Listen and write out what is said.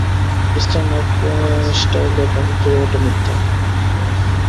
Eastern মার্কেস্টাইলে চাকরির ব্যাপারটা মিথ্যা।